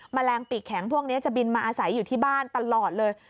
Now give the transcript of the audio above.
แมลงปีกแข็งพวกนี้จะบินมาอาศัยอยู่ที่บ้านตลอดเลย